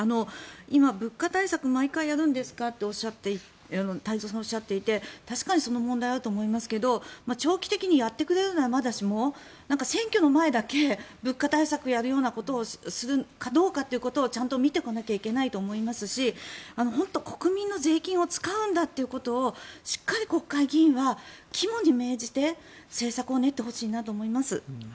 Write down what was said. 今、物価対策を毎回やるんですかと太蔵さんがおっしゃっていて確かにその問題はあると思いますけれど長期的にやってくれるならまだしも選挙の前だけ物価対策をやるようなことをするのかどうかってことをちゃんと見ていかなきゃいけないと思いますし本当に国民の税金を使うんだということをしっかり国会議員は肝に銘じて政策を練ってほしいなと思います。